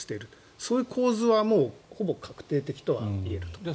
そういう構図はほぼ確定的といえると思います。